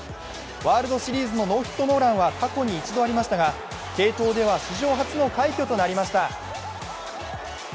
ワールドシリーズのノーヒットノーランは過去に１度ありましたが、継投では、史上初の快挙となりました。